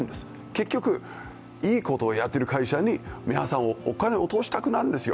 結局、いいことをやってる会社に皆さんはお金を落としたくなるんですよ。